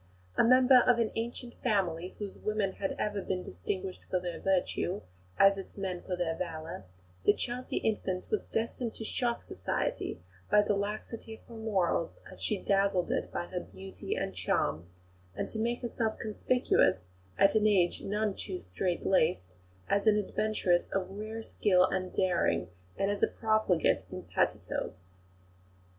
A member of an ancient family, whose women had ever been distinguished for their virtue as its men for their valour, the Chelsea infant was destined to shock Society by the laxity of her morals as she dazzled it by her beauty and charm, and to make herself conspicuous, in an age none too strait laced, as an adventuress of rare skill and daring, and as a profligate in petticoats.